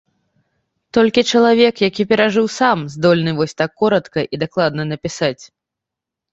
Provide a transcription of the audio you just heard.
Толькі чалавек, які перажыў сам, здольны вось так коратка і дакладна напісаць.